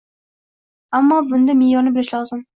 Ammo bunda me’yorni bilish lozim